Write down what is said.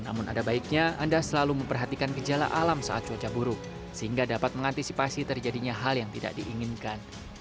namun ada baiknya anda selalu memperhatikan gejala alam saat cuaca buruk sehingga dapat mengantisipasi terjadinya hal yang tidak diinginkan